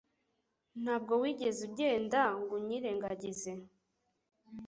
ntabwo wigeze ugenda ngunyirengagize